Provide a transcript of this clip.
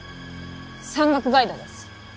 山岳ガイドです。